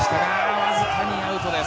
わずかにアウトです。